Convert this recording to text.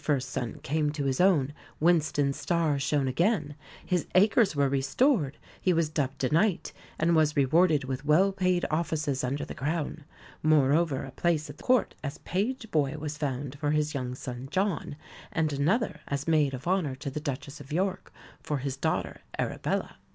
's son came to his own, Winston's star shone again; his acres were restored, he was dubbed a knight, and was rewarded with well paid offices under the Crown. Moreover, a place at Court, as page boy, was found for his young son John; and another, as maid of honour to the Duchess of York, for his daughter Arabella.